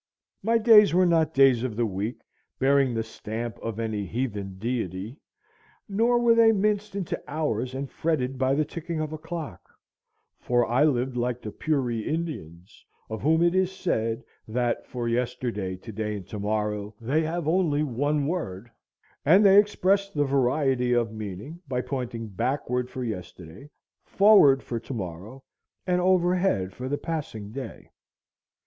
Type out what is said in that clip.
My days were not days of the week, bearing the stamp of any heathen deity, nor were they minced into hours and fretted by the ticking of a clock; for I lived like the Puri Indians, of whom it is said that "for yesterday, to day, and to morrow they have only one word, and they express the variety of meaning by pointing backward for yesterday, forward for to morrow, and overhead for the passing day."